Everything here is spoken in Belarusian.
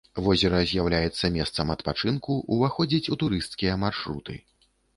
Возера з'яўляецца месцам адпачынку, уваходзіць у турысцкія маршруты.